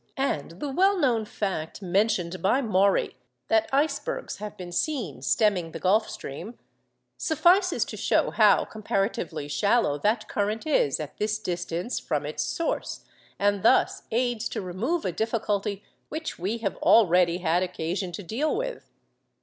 And the well known fact mentioned by Maury, that icebergs have been seen stemming the Gulf Stream, suffices to show how comparatively shallow that current is at this distance from its source, and thus aids to remove a difficulty which we have already had occasion to deal with.